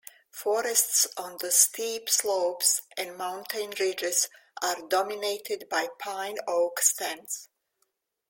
Forests on the steep slopes and mountain ridges are dominated by pine-oak stands.